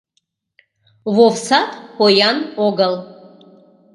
Вовсат поян огыл.